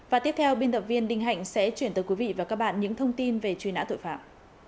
và tiếp theo biên tập viên đình hạnh sẽ chuyển tới quý vị và các bạn những thông tin về truy nã tội phạm